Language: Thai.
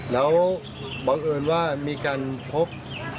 แล้วบังเอิญว่ามีการพบ